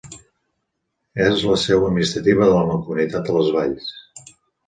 És la seu administrativa de la Mancomunitat de les Valls.